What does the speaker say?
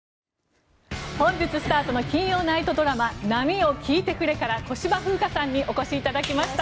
本日スタートの金曜ナイトドラマ「波よ聞いてくれ」から小芝風花さんにお越しいただきました。